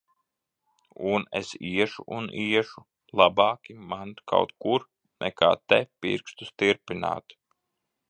Un es iešu un iešu! Labāki man kaut kur, nekā te, pirkstus tirpināt.